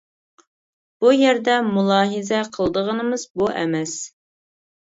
بۇ يەردە مۇلاھىزە قىلىدىغىنىمىز بۇ ئەمەس.